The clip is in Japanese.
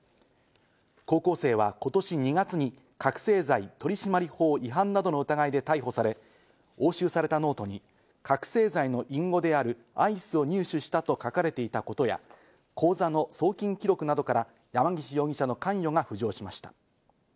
高校生は今年２月に覚醒剤取締法違反などの疑いで逮捕され、押収されたノートに覚醒剤の隠語であるアイスを入手したと書かれていたことや、口座の送金記録などから山岸容疑者の関与が浮上しました。